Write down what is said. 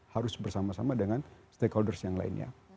harus bersama sama dengan stakeholders yang lainnya